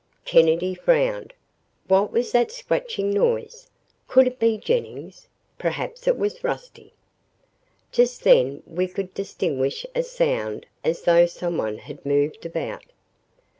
Kennedy frowned. What was that scratching noise? Could it be Jennings? Perhaps it was Rusty. Just then we could distinguish a sound as though someone had moved about.